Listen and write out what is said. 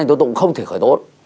anh tốt tụng không thể khởi tố